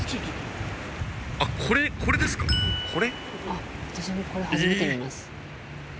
あっ私もこれ初めて見ます。